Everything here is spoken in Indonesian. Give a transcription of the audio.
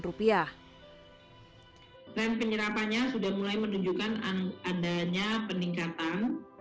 tren penyerapannya sudah mulai menunjukkan adanya peningkatan